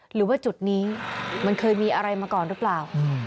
หรือว่าจุดนี้มันเคยมีอะไรมาก่อนหรือเปล่า